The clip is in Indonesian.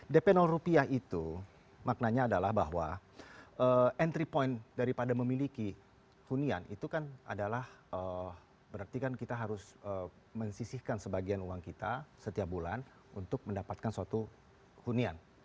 dp rupiah itu maknanya adalah bahwa entry point daripada memiliki hunian itu kan adalah berarti kan kita harus mensisihkan sebagian uang kita setiap bulan untuk mendapatkan suatu hunian